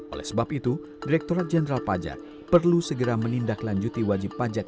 oleh sebab itu direkturat jenderal pajak perlu segera menindaklanjuti wajib pajak